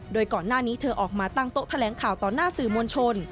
โดยก่อนหน้านี้เธอออกมาตั้งโต๊ะแถลงข่าวต่อหน้าสื่อมวลชน